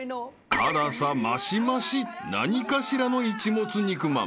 ［辛さ増し増し何かしらのイチモツ肉まん］